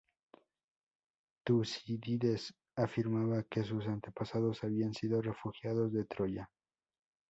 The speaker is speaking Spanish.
Tucídides afirmaba que sus antepasados habían sido refugiados de Troya.